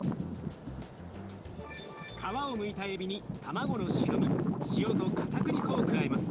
皮をむいたエビに卵の白身塩とかたくり粉を加えます。